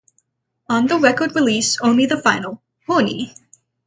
On the record release, only the final: Hernie!